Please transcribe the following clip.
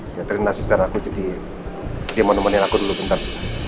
catherine asisten aku jadi dia menemani aku dulu bentar